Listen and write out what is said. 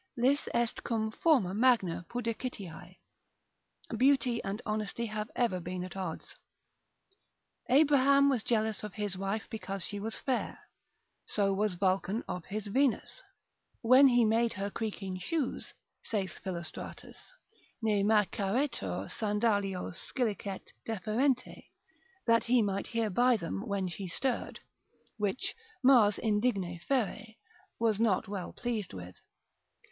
Lis est cum forma magna pudicitiae, beauty and honesty have ever been at odds. Abraham was jealous of his wife because she was fair: so was Vulcan of his Venus, when he made her creaking shoes, saith Philostratus, ne maecharetur, sandalio scilicet deferente, that he might hear by them when she stirred, which Mars indigne ferre, was not well pleased with.